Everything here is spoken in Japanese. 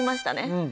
うん。